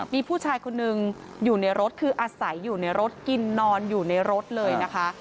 มีผู้ชายคนนึงอยู่ในรถคืออาศัยอยู่ในรถกินนอนอยู่ในรถเลยนะคะ